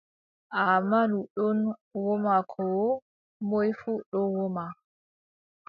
Aamadu ɗon woma Koo moy fuu ɗon woma.